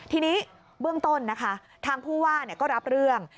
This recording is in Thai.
ทีนี้เบื้องต้นนะคะทางผู้ว่าก็รับเรื่อง